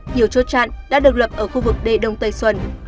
nhiều chốt chặn đã được lập ở khu vực đê đông tây xuân